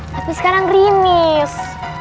tapi sekarang gerimis